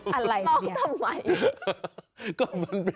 อะไรเนี่ยพี่น้องทำไม